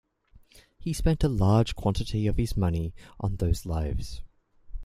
He spent a large quantity of his money on those lives.